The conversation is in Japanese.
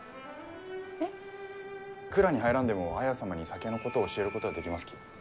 えっ？蔵に入らんでも綾様に酒のことを教えることはできますき。